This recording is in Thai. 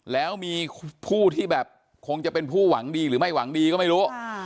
แล้วมีผู้ที่แบบคงจะเป็นผู้หวังดีหรือไม่หวังดีก็ไม่รู้